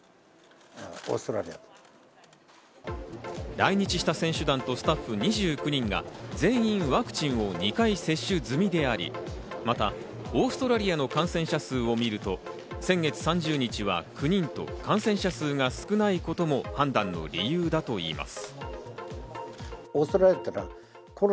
来日した選手団とスタッフ２９人が全員ワクチンを２回接種済みであり、またオーストラリアの感染者数を見ると、先月３０日は９人と、感染者数が少ないことも判断の理由だといいます。